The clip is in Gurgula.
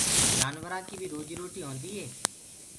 جآنورآنٚ ڪيٚ بيٚ روجيٚ روٽيٚ هونديٚ هي